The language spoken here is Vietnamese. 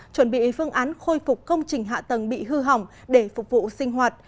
chuẩn bị phương án khôi phục công trình hạ tầng bị hư hỏng để phục vụ sinh hoạt